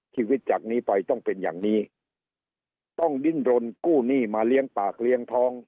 ชีวิตจากนี้ไปต้องเป็นอย่างนี้ต้องดิ้นรนกู้หนี้มาเลี้ยงปากเลี้ยงท้อง